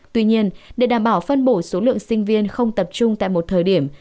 tuy nhiên để đảm bảo phân bổ số lượng sinh viên không tập trung tại một thời điểm